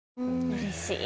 うれしい。